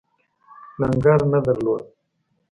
لنګر نه درلود.